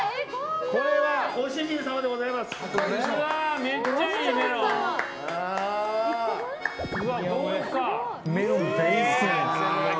これはご主人様でございます。